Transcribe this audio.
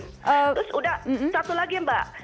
terus udah satu lagi mbak